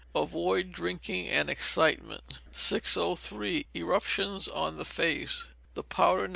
Avoid drinking and excitement. 603. Eruptions on the Face. The powder, No.